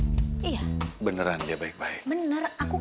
iya beneran dia baik baik beneran ya baik baik